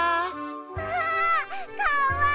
わあかわいい！